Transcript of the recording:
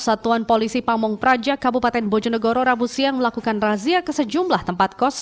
satuan polisi pamung praja kabupaten bojonegoro rabu siang melakukan razia ke sejumlah tempat kos